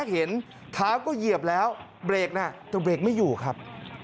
เห็นเท้าก็เหยียบแล้วเบรกนะแต่เบรกไม่อยู่ครับ